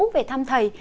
về thăm thầy